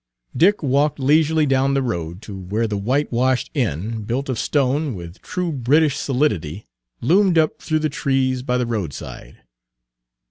Dick walked leisurely down the road to where the whitewashed inn, built of stone, with true British solidity, loomed up through the trees by the roadside.